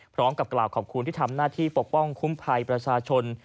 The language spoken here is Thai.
พร้อมกับกล่าวขอบคุณที่ทำหน้าที่ปกป้องคุ้มภัยประชาชน